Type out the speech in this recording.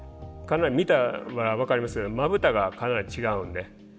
見たら分かりますけどまぶたがかなり違うんで。